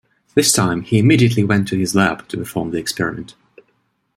This time, he immediately went to his lab to perform the experiment.